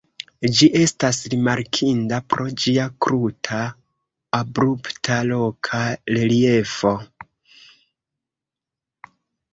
Ĝi estas rimarkinda pro ĝia kruta, abrupta loka reliefo.